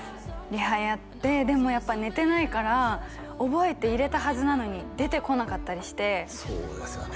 リハやってでもやっぱ寝てないから覚えて入れたはずなのに出てこなかったりしてそうですよね